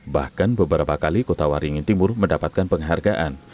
bahkan beberapa kali kota waringin timur mendapatkan penghargaan